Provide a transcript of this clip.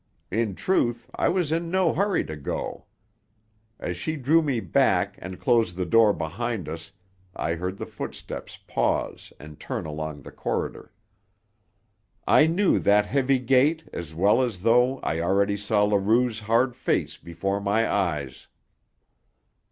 In truth, I was in no hurry to go. As she drew me back and closed the door behind us I heard the footsteps pause and turn along the corridor. I knew that heavy gait as well as though I already saw Leroux's hard face before my eyes.